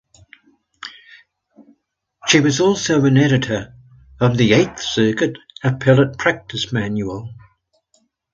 She also was an editor of the Eighth Circuit Appellate Practice Manual.